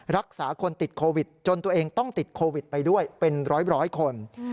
รักษาคนติดโควิดจนตัวเองต้องติดโควิดไปด้วยเป็นร้อยคน